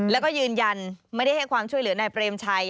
แล้วก็ยืนยันไม่ได้ให้ความช่วยเหลือนายเปรมชัย